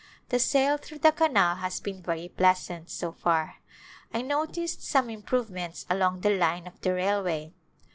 The sail through the canal has been very pleasant so far. I noticed some improvements along the line of the railway.